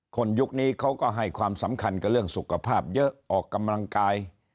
ยุคนี้เขาก็ให้ความสำคัญกับเรื่องสุขภาพเยอะออกกำลังกาย